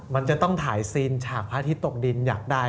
มันจะต้องถ่ายซีนฉากพระอาทิตย์ตกดินอยากได้